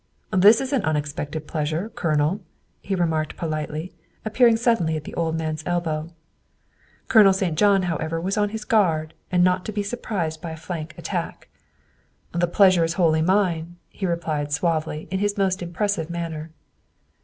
" This is an unexpected pleasure, Colonel," he re marked politely, appearing suddenly at the old man's elbow. Colonel St. John, however, was on his guard and not to be surprised by a flank attack. THE SECRETARY OF STATE 219 " The pleasure is wholly mine," he replied suavely in his most impressive manner.